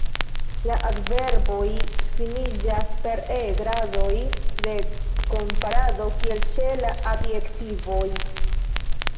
La adverboj finiĝas per e; gradoj de komparado kiel ĉe la adjektivoj.